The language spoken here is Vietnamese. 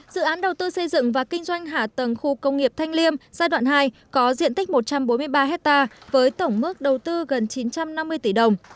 dự án đầu tư xây dựng và kinh doanh hạ tầng khu công nghiệp thanh liêm giai đoạn hai có diện tích một trăm bốn mươi ba hectare với tổng mức đầu tư gần chín trăm năm mươi tỷ đồng